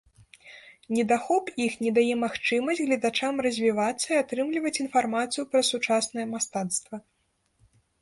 Недахоп іх не дае магчымасць гледачам развівацца і атрымліваць інфармацыю пра сучаснае мастацтва.